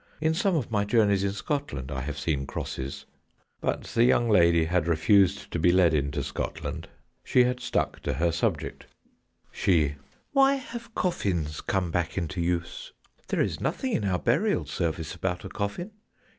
In some of my journeys in Scotland I have seen crosses. But the young lady had refused to be led into Scotland. She had stuck to her subject. 114 THE ROCKEBY. She : Why have coffins come back into use ? There is nothing in our Burial Service about a coffin.